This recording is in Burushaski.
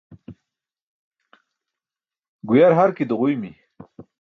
Guyar harki duġuymi.